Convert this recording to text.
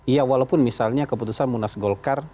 ya walaupun misalnya keputusan munas golkar